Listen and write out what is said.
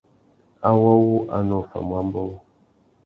Awô wu a nu offamú ambōh.